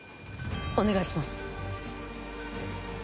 お願いします。